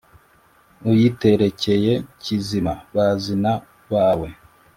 uyiterekeye kizima, bazina bawe